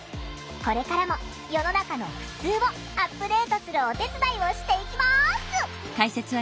これからも世の中の「ふつう」をアップデートするお手伝いをしていきます。